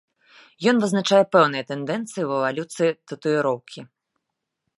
Ён вызначае пэўныя тэндэнцыі ў эвалюцыі татуіроўкі.